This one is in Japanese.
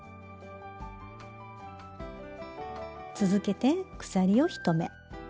続けて鎖を１目。